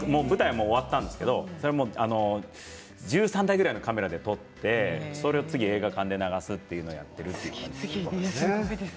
舞台はもう終わったんですけど１３台ぐらいのカメラで撮ってそれを次、映画館で流すということをやってるんです。